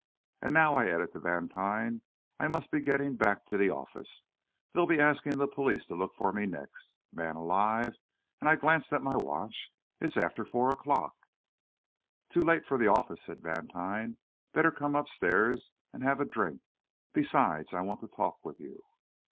"And now," I added, to Vantine, "I must be getting back to the office. They'll be asking the police to look for me next. Man alive!" and I glanced at my watch, "it's after four o'clock." "Too late for the office," said Vantine. "Better come upstairs and have a drink. Besides, I want to talk with you."